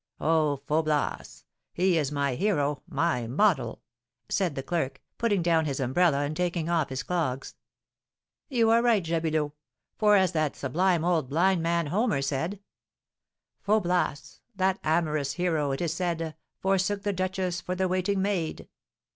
Oh, Faublas! he is my hero my model!" said the clerk, putting down his umbrella and taking off his clogs. "You are right, Jabulot; for, as that sublime old blind man, Homer, said: 'Faublas, that amorous hero, it is said, Forsook the duchess for the waiting maid.'"